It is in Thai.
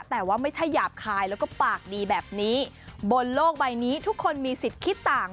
แต่ว่าไม่ใช่หยาบคายแล้วก็ปากดีแบบนี้บนโลกใบนี้ทุกคนมีสิทธิ์คิดต่าง